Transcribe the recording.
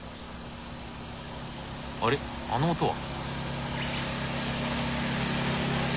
あれあの音は？